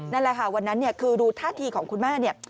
นั่นแหละค่ะวันนั้นคือดูท่าทีของคุณแม่เนี่ย